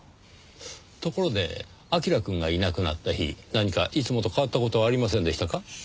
ところで彬くんがいなくなった日何かいつもと変わった事はありませんでしたか？